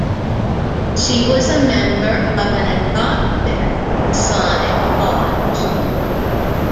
She was a member of an adoptive Masonic lodge.